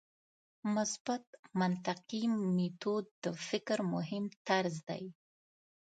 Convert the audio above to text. مثبت منطقي میتود د فکر مهم طرز دی.